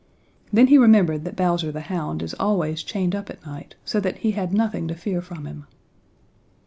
Then he remembered that Bowser the Hound is always chained up at night, so that he had nothing to fear from him.